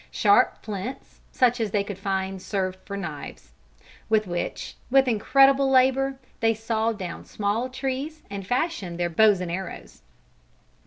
Sharp flints, such as they could find served for knives, with which, with incredible labor, they sawed down small trees and fashioned their bows and arrows.